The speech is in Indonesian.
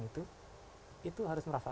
itu itu harus merasa